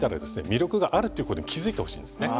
魅力があるってことに気付いてほしいんですね。